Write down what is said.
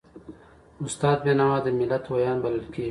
استاد بینوا د ملت ویاند بلل کېږي.